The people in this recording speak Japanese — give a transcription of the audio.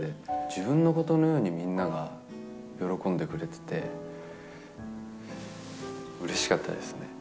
自分のことのようにみんなが喜んでくれてて、うれしかったですね。